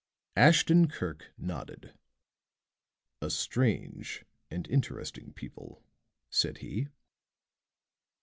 Ashton Kirk nodded. "A strange and interesting people," said he.